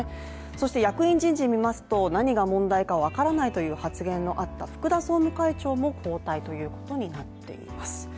そして役員人事を見ますと何が問題か分からないという発言のあった福田総務会長も交代ということになっています。